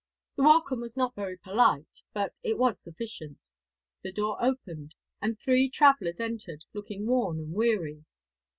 The welcome was not very polite, but it was sufficient. The door opened, and three travellers entered, looking worn and weary.